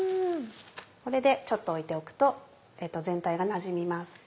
これでちょっと置いておくと全体がなじみます。